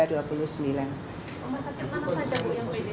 rumah sakit mana saja yang pdp